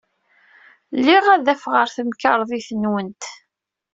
Liɣ adaf ɣer temkarḍit-nwent.